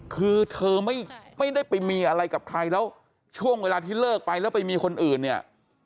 คือเธอไม่ได้ไปมีอะไรกับใครแล้วช่วงเวลาที่เลิกไปแล้วไปมีคนอื่นเนี่ย